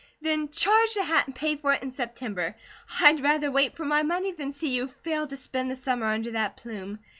"Then charge the hat and pay for it in September. I'd rather wait for my money than see you fail to spend the summer under that plume.